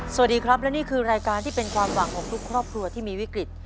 สวัสดีครับและนี่คือรายการที่เป็นความหวังของทุกครอบครัวที่มีวิกฤต